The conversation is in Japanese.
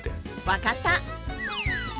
分かった。